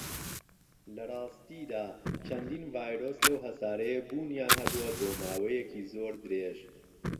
لەڕاستیدا، چەندین ڤایرۆس لەو هەسارەیە بوونیان هەبووە بۆ ماوەیەکی زۆر درێژ.